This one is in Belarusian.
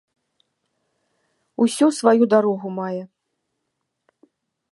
Усё сваю дарогу мае